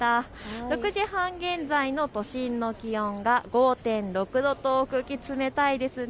６時半現在の都心の気温は５．６度と冷たいですね。